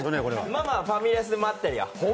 ママ、ファミレスで待ってるよ。